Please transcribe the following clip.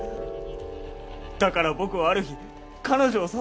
だから僕はある日彼女を誘ったんです。